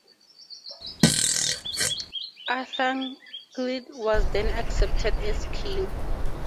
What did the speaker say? Athanagild was then accepted as king.